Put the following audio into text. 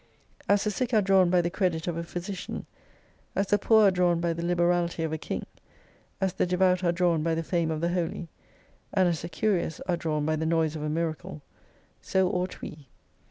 As the sick are drawn by the credit of a physician, as the poor are drawn by the liberality of a King, as the devout are drawn by the fame of the Holy, and as the curious are drawn by the noise of a miracle, so ought we.